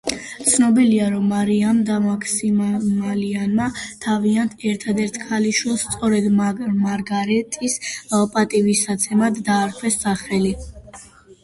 ცნობილია, რომ მარიამ და მაქსიმილიანმა, თავიანთ ერთადერთ ქალიშვილს, სწორედ მარგარეტის პატივსაცემად დაარქვეს სახელი.